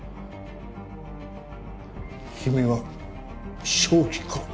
君は正気か？